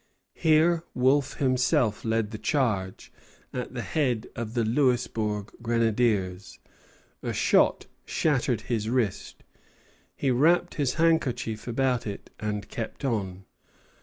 Here Wolfe himself led the charge, at the head of the Louisbourg grenadiers. A shot shattered his wrist. He wrapped his handkerchief about it and kept on.